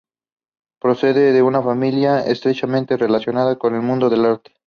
Procede de una familia estrechamente relacionada con el mundo del arte.